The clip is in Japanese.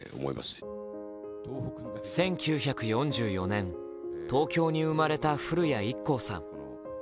１９４４年、東京に生まれた古谷一行さん。